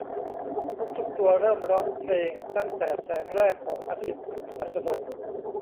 นกทุกตัวเริ่มร้องเพลงตั้งแต่แสงแรกของอาทิตย์อัสดง